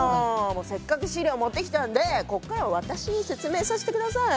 もうせっかく資料持ってきたんでこっからは私に説明さして下さい。